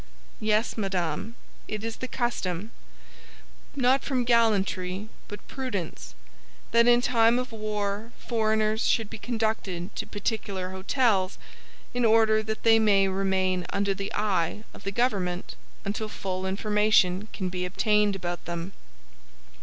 "Yes, madame, it is the custom, not from gallantry but prudence, that in time of war foreigners should be conducted to particular hôtels, in order that they may remain under the eye of the government until full information can be obtained about them."